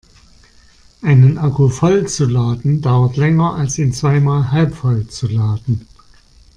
Einen Akku voll zu laden dauert länger als ihn zweimal halbvoll zu laden.